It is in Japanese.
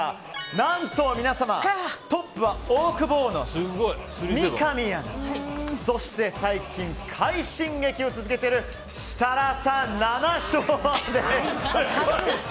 何と皆様、トップはオオクボーノ三上アナ、そして最近快進撃を続けている設楽さん、７勝です。